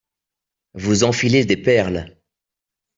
Vous enfilez des perles.